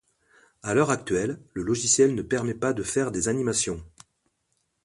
À l'heure actuelle, le logiciel ne permet pas de faire des animations.